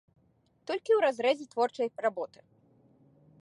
Толькі ў разрэзе творчай работы.